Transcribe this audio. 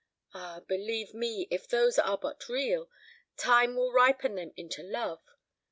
Ah, believe me, if those are but real, time will ripen them into love.